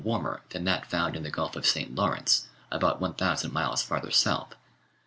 warmer than that found in the Gulf of St. Lawrence, about 1,000 miles farther south.